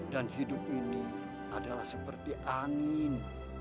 dan hidup ini adalah seperti angin